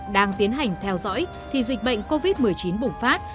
đang tiến hành theo dõi thì dịch bệnh covid một mươi chín bùng phát